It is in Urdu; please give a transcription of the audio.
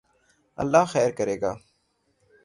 اللہ خیر کرے گا